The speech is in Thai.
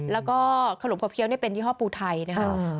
แล้วก็ขนมขบเคี้ยนี่เป็นยี่ห้อปูไทยนะครับ